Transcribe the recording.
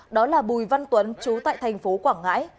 đó là bùi văn tuấn chú tại thành phố quảng ngãi